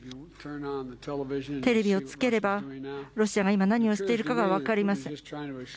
テレビをつければ、ロシアが今、何をしているかが分かります。